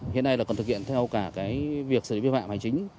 hiện nay là còn thực hiện theo cả cái việc xử lý vi phạm hành chính